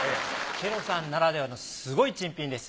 ケロさんならではのすごい珍品です。